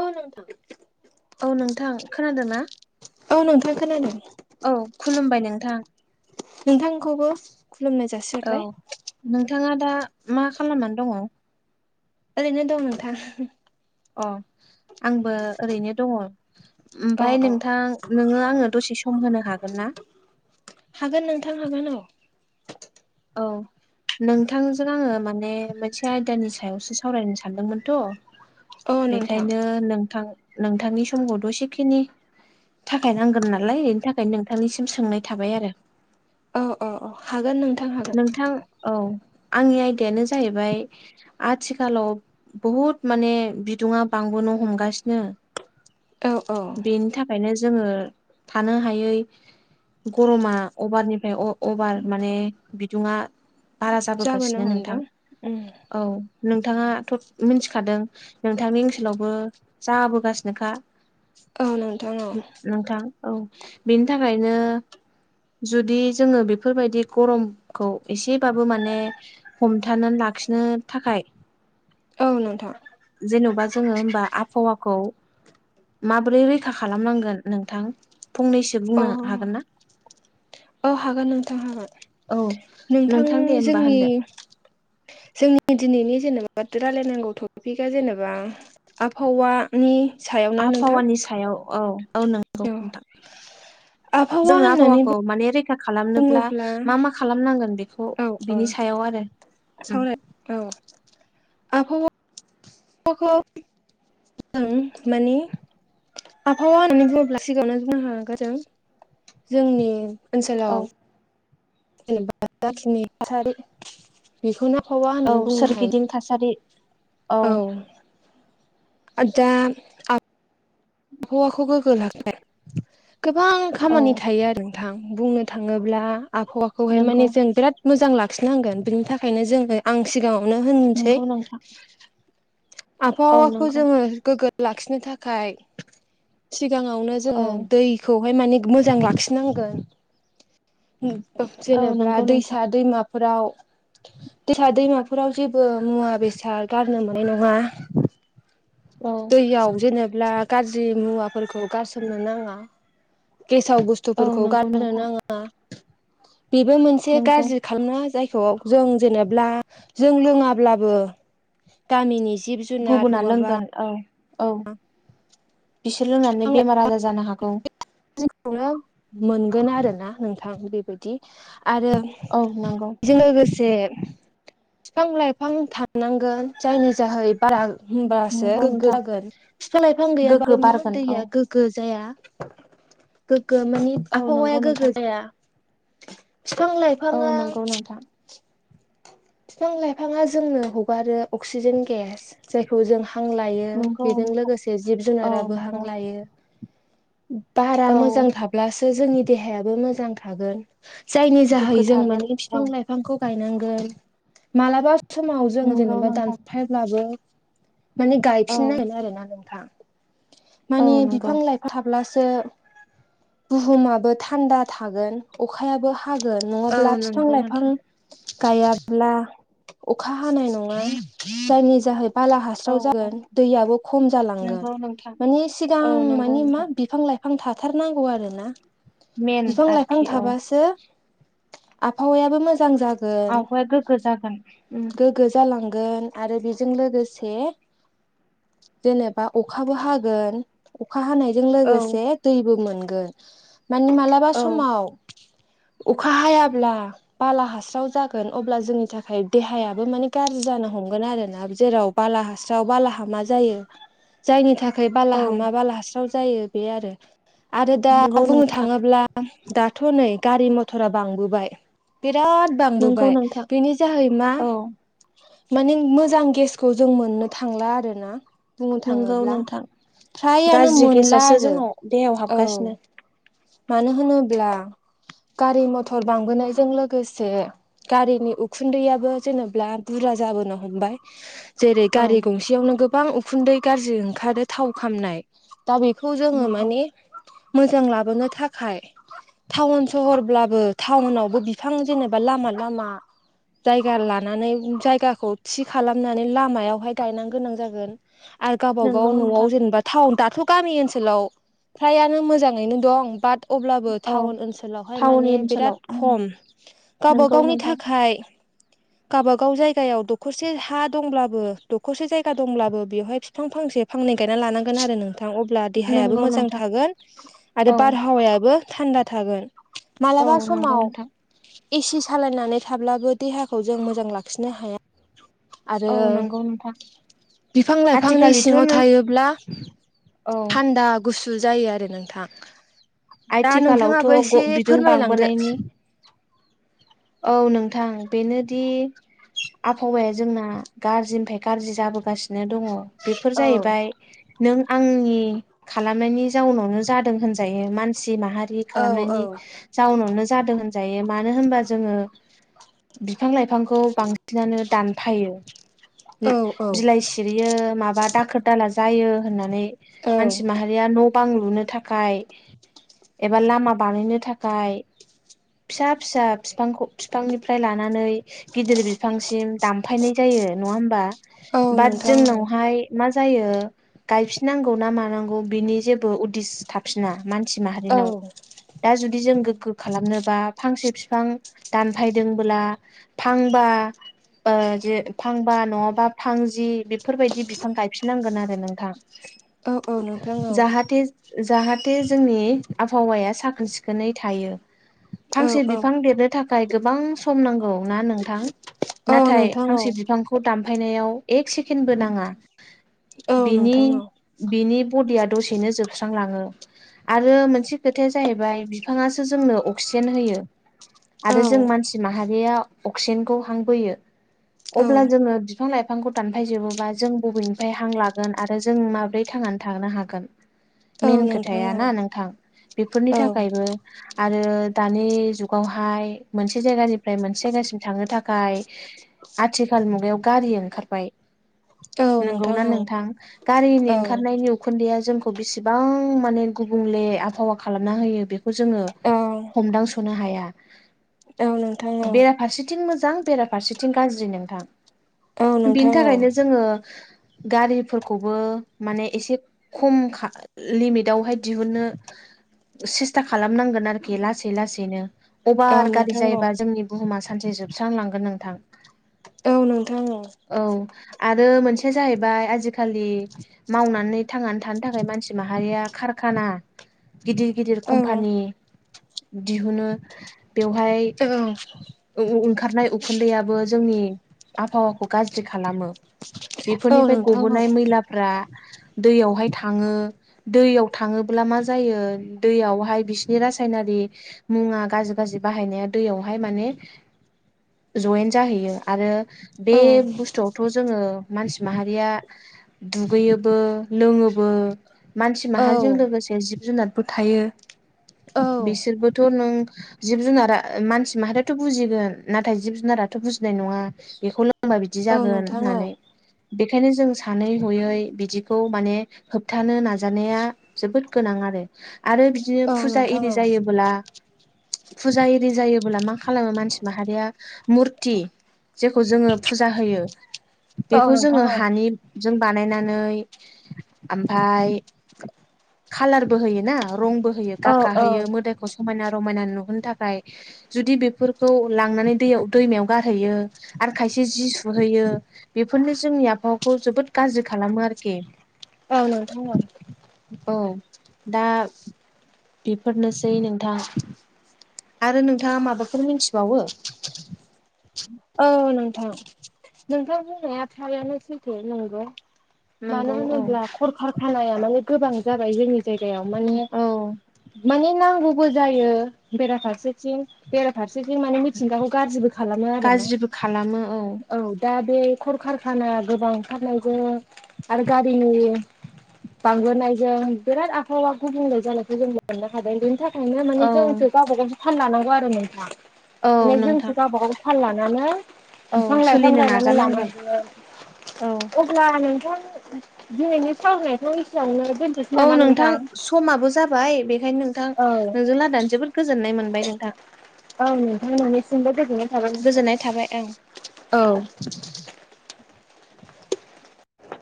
औ नोंथां औ नोंथां खोनादों मा औ नोंथां खोनादों औ खुलुमबाय नोंथां नोंथांखौबो खुलुमनाय जासि औ नोंथाङा दा मा खालामनानै दङ ओरैनो दं नोंथां अ आंबो ओरैनो दङ औ ओमफाय औ नोंथां नोङो आङो दसे सम होनो हागोन ना हागोन नोंथां हागोन औ औ नोंथांजों आङो माने मोनसे आयदानि सायावसो सावरायनो सानदोंमोनथ' औ नोंथां बेखायनो नोंथां नोंथांनि समखौथ' इसेखिनि थाखाय नांगोन नालाय बेनि थाखायनो नोंथांनिसिम सोंनाय थाबाय आरो औ औ औ हागोन नों नोंथां औ आंनि आयदायानो जाहैबाय आथिखालाव बहुद माने बिदुङा बांबोनो हमगासिनो औ औ बेनि थाखायनो जोङो थानो हायै गरमा अभारनिफ्राय अभार माने बिदुङा बारा जाबोनो जाबोगासिनो नोंथां हमदों उम औ नोंथाङाथ' मिथिखादों नोंथांनि ओनसोलावबो जाबोगासिनोखा औ नोंथां औ नोंथां औ बेनि थाखायनो जुदि जोङो बेफोरबायदि गरम खौ एसेबाबो माने हमथानानै लाखिनो थाखाय औ नोंथां जेन'बा जोङो होमबा आबहावाखौ माबोरै रैखा खालामनांगोन नोंथां फंनैसो औ बुंनो हागोन ना औ हागोन नोंथां हागोन औ नोंथां दे होमबा जोंनि होनदो जोंनि दिनैनि जेनेबा रायलायनांगौ टपिकआ जेनेबा आबहावा आबहावानि सायाव औ औ नंगौ औ नोंथां आबहावा जोङो होननानै आबहावाखौ माने रैखा खालामनोब्ला बुङोब्ला मा मा खालामनांगोन बेखौ औ औ बिनि सायाव आरो उम सावराय औ आबहावा [unintelligible] जों मानि आबहावा होननानै बुङोब्ला सिगाङावनो जोंहा जादो जोंनि औ ओनसोलाव जेनेबा जाखिनि थासारि बेखौना औ सोरगिदिं थासारि औ आ दा आबहावाखौ गोग्गो लाखिनाय गोबां औ खामानि थायो आरो थां बुंनो थाङोब्ला आबहावाखौहाय नंगौ माने जों बिराद मोजां लाखिनांगोन बिनि थाखायनो जोङो आं सिगाङावनो होनसै। नंगौ नोंथां औ आबहावाखौ नंगौ जोङो गोग्गो लाखिनो थाखाय सिगाङावनो औ जोङो दैखौहाय माने मोजां लाखिनांगोन औ जेनेबा नंगौ नोंथां दैसा दैमा फोराव दैसा दैमाफोराव जेबो मुवा बेसाद गारनो मोननाय नङा। औ दैयाव जेनेबा गाज्रि मुवाफोरखौ गारसोमनो नाङा गेसाव बुस औ थुफोरखौ नंगौ गारनो नोंथां नाङा बेबो मोनसे नंगौ गाज्रि खालामना जायखौ जों जेनेब्ला जों लोङाब्लाबो गामिनि जिब जुनार गुबुना नङाबा लोंगोन औ औ बिसोर लोंनानै बेमार आजार जानो हागौ। [unintelligible] खौनो मोनगोन आरोना नोंथां बेबायदि आरो औ नंगौ जों लोगोसे फिफां लाइफां थानांगोन जायनि जाहै बारा होमबासो नंगौ गोगो नोंथां जागोन फिफां लाइफां गोग्गो गैयाबाबो मा बारगोन औ दैया गोग्गो जाया गोग्गो मानि औ आबहावाया नंगौ नोंथां गोग्गो जाया बिफां लाय औ नंगौ नोंथां फिफां लाइफाङा जोंनो हगारो अक्सिजेन गेस जायखौ जों हां लायो नंगौ बेजों नोंथां लोगोसे जिब औ जुनाराबो हां नंगौ लायो बारा औ मोजां थाब्लासो जोंनि देहायाबो मोजां थागोन। जायनि जाहै गोग्गो जों थागोन माने औ बिफां लाइ फांखौ गायनांगोन मालाबा समाव जों नंगौ जेनेबा नोंथां दानफायब्लाबो माने औ गायफिन नांगोन आरोना नोंथां औ माने नंगौ बिफां लाइ थाब्लासो बुहुमाबो थान्दा थागोन अखायाबो हागोन औ नङाब्ला फिफां नंगौ लाइफां नोंथां गायाब्ला अखा हानाय नङा जायनि जाहै बाला औ हास्राव जागोन दैयाबो खम जालांगोन। नंगौ नोंथां माने सिगां औ नंगौ माने मा नोंथां बिफां लाइफां थाथारनांगौ आरो ना मेन बिफां लाइफां आरोखि औ थाबासो आबहावायाबो मोजां जा आबहाया गोग्गो जागोन उम गो जालांगोन आरो बेजों लोगोसे जेनेबा अखाबो हागोन अखा हानायजों औ लोगोसे दैबो मोनगोन मानि मालाबा औ समाव अखा हायाब्ला बाला हास्राव जागोन अब्ला जोंनि थाखाय देहायाबो माने गाज्रि जानो हमगोन आरोना जेराव बाला हास्राव बालाहामा जायो [inaudible] जायनि थाखाय औ बालाहामा बाला हास्राव जायो बे आरो आरो दा नंगौ बुंनो थां नोंथां थाङोब्ला दाथ' नै गारि मथरा बांबोबाय बिराद बांबो नंगौ बाय नोंथां बेनि जाहै मा औ माने मोजां गेसखौ जों मोननो थांला आरो ना बुंनो नंगौ थाङोब्ला नोंथां फ्रायानो गाज्रि मोनला गेसासो आरो जोंनाव देहायाव औ हाबगासिनो। मानो होनोब्ला गारि मथर बांबोनायजों लोगोसे गारिनि उखुन्दैयाबो जेनेबा बुरजा जाबोनो हमबाय जेरै औ गारि गंसेयावनो गोबां उखुन्दै गाज्रि ओंखारो थाव खामनाय दा बेखौ जोङो नंगौ माने मोजां लाबोनो थाखाय टाउन सहरब्लाबो टाउनावबो बिफां जेनेबा लामा लामा जायगा लानानै जायगाखौ थि खालामनानै लामायावहाय गायनो गोनां जागोन आरो गावब नंगौ गाव नोंथां न'आव जेनेबा टाउन दाथ' गामि ओनसोलाव फ्रायानो मोजाङैनो दं बाट अब्लाबो औ टाउन ओनसोलावहाय टाउन माने ओनसोलाव बिराद उम खम गावब नंगौ गावनि नोंथां थाखाय गावबागाव जायगायाव दखरसे हा दंब्लाबो दखरसे जायगा दंब्लाबो बेवहाय बिफां फांसे फांनै गायना लानांगोन आरो नोंथां अब ब्ला देहायाबो नंगौ मोजां नोंथां थागोन आरो औ बारहावायाबो थान्दा थागोन। औ मालाबा नंगौ समाव नोंथां एसि सालायनानै थाब्लाबो देहाखौ जों मोजां लाखिनो हाया आरो औ नंगौ नोंथां बिफां लाइफांनि आथिखालिथ' सिङाव नो थायोब्ला औ थान्दा गुसु जायो आरो नोंथां दा आथिखालावथ' नोंथाङाबो एसे बिदुं फोरमायलांदो बांबोनायनि औ नोंथां बेनोदि आबहावाया जोंना गाज्रिनिफ्राय गाज्रि जाबोगासिनो दङ बेफोर औ जाहैबाय नों आंनि खालामनायनि जाउनावनो जादों होनजायो मानसि माहारि औ औ खालामनायनि जाउनावनो जादों होनजायो मानो होनबा जोङो बिफां लाइफांखौ बांसिनानो दानफायो औ औ बिलाइ सि माबा दाखोर दाला जायोनानै औ मानसि माहा या न' बां लुनो थाखाय एबा लामा बानायनो थाखाय फिसा फिसा बिफांखौ बिफांनिफ्राय लानानै गिदिर बिफांसिम दामफायनाय जायो नङा होमबा औ बाट नोंथां जोंनावहाय मा जायो गायफिननांगौ ना मानांगौ बिनि जेबो उदिस थासिना मानसि औ माहारिनाव दा जुदि जों गोग्गो खालामनोबा फांसे बिफां दानफायदोंबोला फांबा ओ जे फांबा नङाबा फांजि बेफोरबायदि बिफां गायफिननांगोन आरो नोंथां औ औ नोंथां औ जाहाथे जाहाथे जोंनि आबहावाया साखोन सिखोनै थायो। फांसे औ औ बिफां देरनो थाखाय गोबां सम नांगौ ना नोंथां औ नाथाय नोंथां औ फांसे बिफां खौ दामफायनायाव एक सेकेन्डबो नाङा औ बिनि नोंथां औ बिनि बडिया दसेनो जोबस्रांलाङो। आरो मोनसे खोथाया जाहैबाय बिफाङासो जोंनो अक्सिजेन होयो औ आरो जों मानसि माहारिया अक्सिजेनखौ हांबोयो औ अब्ला जोङो बिफां लाइफांखौ दानफायजोबोबा जों बबेनिफ्राय हां लागोन आरो जों माबोरै थांनानै थानो हागोन औ मेन नोंथां खोथाया औ ना नोंथां बेफोरनि औ थाखायबो आरो दानि जुगाव हायो मोनसे जायगानिफ्राय मोनसे जायगासिम थांनो थाखाय आथिखाल मुगायाव गारि ओंखारबाय। औ नंगौना औ नोंथां गारिनि औ ओंखारनायनि उ खुन्दैया जोंखौ बेसेबां माने गुबुंले आबहावा खालामना होयो बेख खौ जोङो औ हमदांस'नो हाया। औ नोंथां औ बेराफारसेथिं मोजां बेराफारसेथिं गाज्रि औ नोंथां। बिनि नोंथां औ थाखायनो जोङो। गारिफोरखौबो माने एसे खम खा लिमिटावहाय दिहुननो सेस्था खालामनांगोन आरोखि लासै लासैनो अभार औ गारि नोंथां औ जायोबा जोंनि बुहुमा सानसे जोबस्रांलांगोन नोंथां। औ नोंथां औ। औ आरो मोनसेया जाहैबाय आजिखालि मावनानै थांनानै थानो थाखाय मानसि माहारिया खारखाना गिदिर गिदिर औ कम्पानि दिहुनो बेवहाय औ। ओंखारनाय उखुन्दैयाबो जोंनि आबहावाखौ गाज्रि खालामो। औ बेफोरनिफ्राय नोंथां औ गबोनाय मैलाफ्रा दैयावहाय थाङो। दैयाव थाङोब्ला मा जायो दैयावहाय बिसिनि रासायनारि मुङा गाज्रि गाज्रि बाहायनाया दैयावहाय माने जयेन जाहैयो आरो बे बुस्थुआवथ' जोङो मानसि माहारिया दुगैयोबो लोङोबो। मानसि माहारिजों लोगोसे जिब जुनारबो थायो। बिसोरबोथ' नों जिब जुनारा मानसि माहारि थ' बुजिगोन नाथाय जिब जुनाराथ' बुजिनाय नङा बेखौ लोंबा बिदि औ जागोन नोंथां होननानै बेखायनो जों सानै हयै बिदिखौ माने होबथानो नाजानाया जोबोद गोनां आरो। आरो बिदिनो औ औ फुजा एरि नोंथां औ जायो फुजा एरि जायोबोब्ला मा खालामो मानसि माहारिया मुरथि जेखौ जोङो फुजा होयो औ बेखौ जोङो हानि जों बानायनानै ओमफ्राय कालारबो होयोना रंबो। गाब औ गाहोयो नोंथां मोदोमखौ समायना रमायना नुहोनो थाखाय जुदि बे बे फोरफोरखौ लांनानै दैयाव दैमायाव गारहैयो आरो खायसे जि सुहैयो। बेफोरनो जोंनि आबहावाखौ जोबोद गाज्रि खालामो आरोखि। औ नोंथां औ। औ दा बेफोरनोसै नोंथां। आरो नोंथाङा माबाफोर मिथिबावो नामा? औ नोंथां नोंथां बुंनाया थारैनो सैथो नंगौ। मानो नंगौ औ होनोब्ला खलखार खानाया माने गोबां जाबाय जोंनि जायगायाव माने औ माने नांगौबो जायो बेराफारसेथिं बेराफारसेथिं माने मिथिंगाखौ गाज्रिबो खालामो आरो ना। जेबो खालामो औ। दा बे खलखारखाना गोबां ओंखारनायजों आरो गारिनि बांबोनायजों बिराद आबहावा गुबुंले जानायखौ जों मोननो हादों बेनि थाखा नो माने औ जोंसो गावबा गावसो फानलानांगौ आरो मोनफा औ माने जोंसो नोंथां गावबा गावसो थाल लानांगौ। औ बिफां-लाइफां सोलिनो गायनानै नाजानांगोन लानांगौ। औ अब्ला नोंथां दिनैनि सावरायनायखौ एसेयावनो दोनथ'सै औ नामा नोंथां समाबो जाबाय बेखायनो नोंथां औ नोंजों लायरायना जोबोद गोजोननाय मोनबाय नोंथां। औ नोंथां मोननिसिमबो गोजोननाय थाबाय गोजोननाय थाबाय ओं नोंथां औ